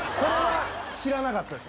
知らなかったです